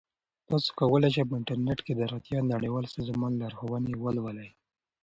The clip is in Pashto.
تاسو کولی شئ په انټرنیټ کې د روغتیا نړیوال سازمان لارښوونې ولولئ.